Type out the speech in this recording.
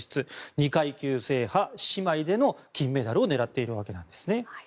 ２階級制覇、姉妹での金メダルを狙っているわけなんです。